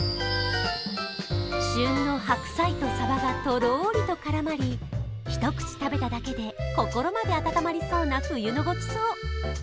旬の白菜とさばが、とろーりと絡まり、一口食べただけで心まで温まりそうな冬のごちそう。